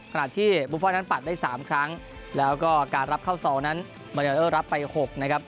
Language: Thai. ขณะที่บุฟฟอลนั้นปัดได้๓ครั้งแล้วก็การรับเข้าซองนั้นมาเลอร์รับไป๖นะครับ